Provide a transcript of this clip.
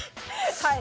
はい。